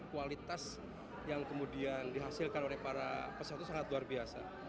kualitas yang kemudian dihasilkan oleh para pesat itu sangat luar biasa